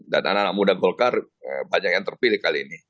dan anak anak muda golkar banyak yang terpilih kali ini